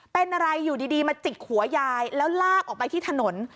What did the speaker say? เป็นอะไรอยู่ดีมาจิกหัวยายแล้วลากออกไปที่ถนน